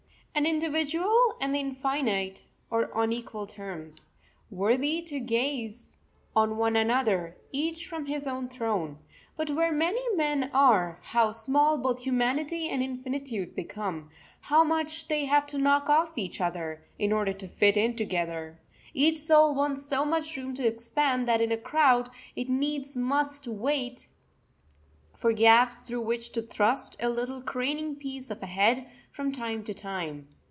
An individual and the infinite are on equal terms, worthy to gaze on one another, each from his own throne. But where many men are, how small both humanity and infinitude become, how much they have to knock off each other, in order to fit in together! Each soul wants so much room to expand that in a crowd it needs must wait for gaps through which to thrust a little craning piece of a head from time to time.